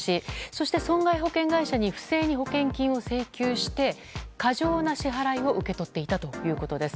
そして損害保険会社に不正に保険金を請求して過剰な支払いを受け取っていたということです。